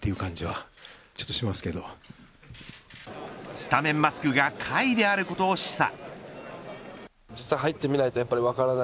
スタメンマスクが甲斐であることを示唆